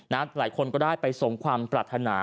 หลายคนก็ได้ไปสมความปรารถนา